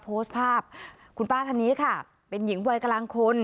โพสต์ภาพคุณป้าท่านนี้ค่ะเป็นหญิงวัยกลางคน